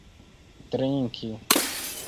trinki